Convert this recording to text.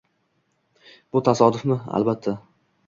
Bu tasodifmi? Albatta!